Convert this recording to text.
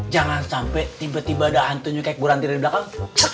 jangan sampai tiba tiba ada hantunya kayak buranti dari belakang